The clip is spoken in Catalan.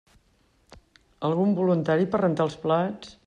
Algun voluntari per rentar els plats?